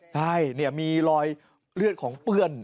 ใช่มีรอยเลือดของเปื้อน